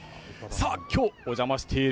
きょう、お邪魔している